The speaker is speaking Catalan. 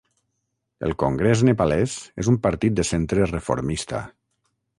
El Congrés Nepalès és un partit de centre reformista.